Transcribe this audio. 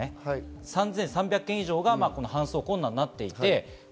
３３００件以上が搬送困難となっています。